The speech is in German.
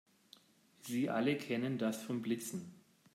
Sie alle kennen das von Blitzen.